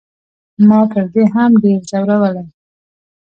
ما پر دې هم ډېر زورولی.